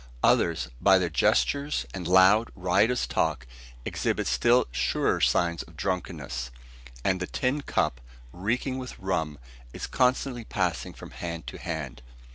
Others, by their gestures and loud, riotous talk, exhibit still surer signs of drunkenness; and the tin cup, reeking with rum, is constantly passing from hand to hand.